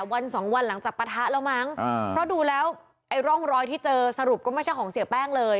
วันสองวันหลังจากปะทะแล้วมั้งเพราะดูแล้วไอ้ร่องรอยที่เจอสรุปก็ไม่ใช่ของเสียแป้งเลย